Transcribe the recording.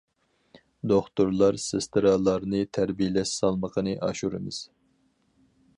دوختۇرلار، سېسترالارنى تەربىيەلەش سالمىقىنى ئاشۇرىمىز.